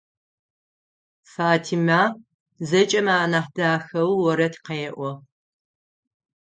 Фатима зэкӏэмэ анахь дахэу орэд къеӏо.